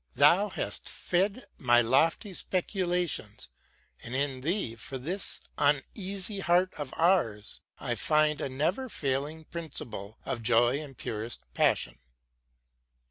Thou hast fed My lofty speculations : and in thee, Tor this uneasy heart of ours, I find A never failing principle of joy And purest passion.